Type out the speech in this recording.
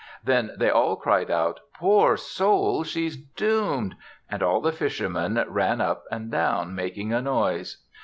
Then they all cried out, "Poor soul! she's doomed," and all the fishermen ran up and down making a noise.